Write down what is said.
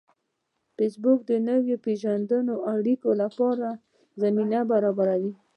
فېسبوک د نویو پیژندنو او اړیکو لپاره زمینه برابروي